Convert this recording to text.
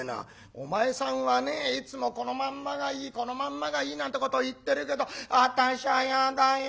「お前さんはねいつもこのまんまがいいこのまんまがいいなんてことを言ってるけどあたしゃ嫌だよ